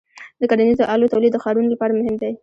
د کرنیزو آلو تولید د ښارونو لپاره مهم دی.